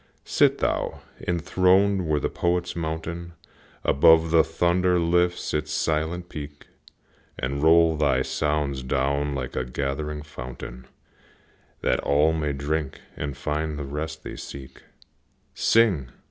Sit thou enthroned where the Poet's mountain Above the thunder lifts its silent peak, And roll thy songs down like a gathering fountain, That all may drink and find the rest they seek. Sing!